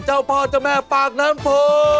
เจ้าพ่อเจ้าแม่ปากน้ำโพ